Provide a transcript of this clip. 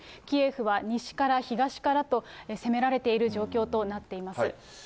キエフは西から東からと、攻められている状況となっています。